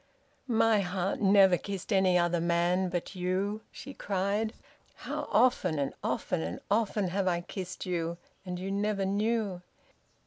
"My heart never kissed any other man but you!" she cried. "How often and often and often have I kissed you, and you never knew!